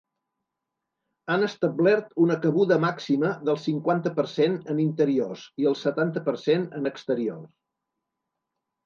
Han establert una cabuda màxima del cinquanta per cent en interiors i el setanta per cent en exteriors.